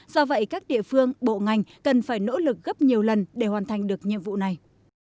do vậy các địa phương bộ ngành cần phải nỗ lực gấp nhiều lần để hoàn thành được nhiệm vụ này